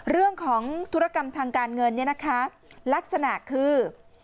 เรื่องของธุรกรรมทางการเงินลักษณะคือ